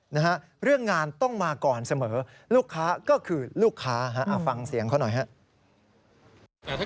นี่เรามีเนื้อถามกับการณ์ตัวเองยังไงบ้าง